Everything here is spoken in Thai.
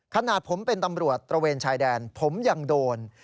ขนาดผมเป็นตำรวจตระเวนชายแดนผมยังโดน